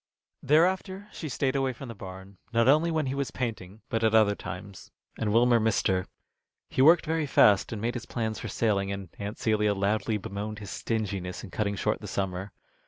Thereafter she stayed away from the barn, not only when he was painting, but at other times, and Wilmer missed her. He worked very fast, and made his plans for sailing, and Aunt Celia loudly bemoaned his stinginess in cutting short the summer.